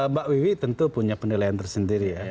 mbak wiwi tentu punya penilaian tersendiri ya